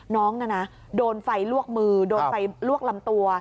น้องน่ะนะโดนไฟลวกมือโดนไฟลวกลำตัว